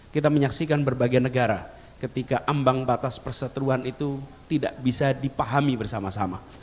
kita menyaksikan berbagai negara ketika ambang batas perseteruan itu tidak bisa dipahami bersama sama